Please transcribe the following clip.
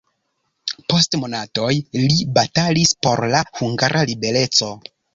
Post monatoj li batalis por la hungara libereco.